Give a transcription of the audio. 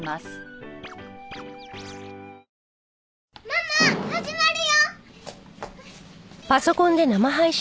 ママ始まるよ！